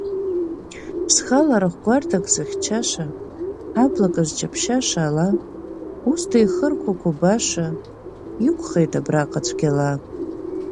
Зхала рахә гәарҭак зыхьчаша, ҳаблак зҷаԥшьаша ала, усда ихырқәақәо баша, иқәхеит абраҟа цәгьала.